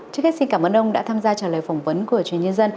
trước hết xin cảm ơn ông đã tham gia trả lời phỏng vấn của truyền nhân dân